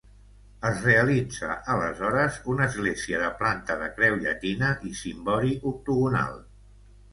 Es realitza aleshores una església de planta de creu llatina i cimbori octogonal.